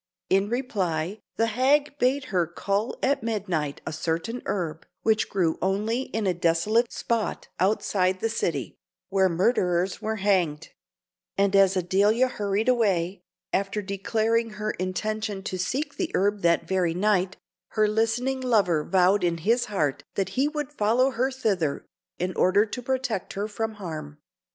In reply the hag bade her cull at midnight a certain herb, which grew only in a desolate spot outside the city, where murderers were hanged; and as Adelia hurried away, after declaring her intention to seek the herb that very night, her listening lover vowed in his heart that he would follow her thither, in order to protect her from harm.